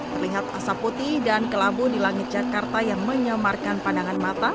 terlihat asap putih dan kelabu di langit jakarta yang menyamarkan pandangan mata